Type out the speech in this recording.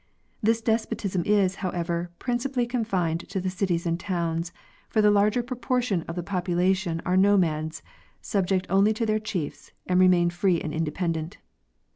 This despotism is, however, principally confined to the cities and towns, for the larger proportion of the popula tion are nomads, subject only to their chiefs, and remain free and independent.